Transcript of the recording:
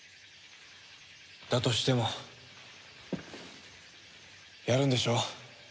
だとしてもやるんでしょ？